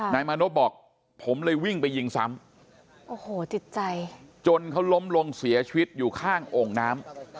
นายมานพบอกผมเลยวิ่งไปยิงซ้ำโอ้โหจิตใจจนเขาล้มลงเสียชีวิตอยู่ข้างโอ่งน้ำ